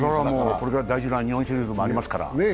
これから大事な日本シリーズもありますから。